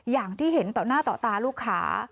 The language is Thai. อย่างที่เห็นต่อหน้าต่อตาลูกค้า